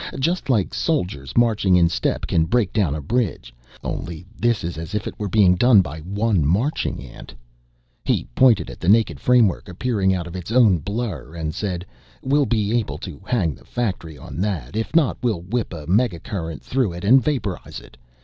Just like soldiers marching in step can break down a bridge, only this is as if it were being done by one marching ant." He pointed at the naked framework appearing out of its own blur and said, "We'll be able to hang the factory on that. If not, we'll whip a mega current through it and vaporize it.